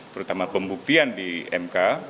terutama pembuktian di mk